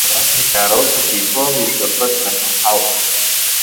Иаразнак даарылҵын, диԥыланы ижәҩахыр днахьынҳалт.